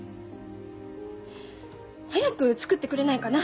早く作ってくれないかな